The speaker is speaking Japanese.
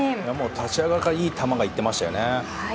立ち上がりからいい球がいっていましたね。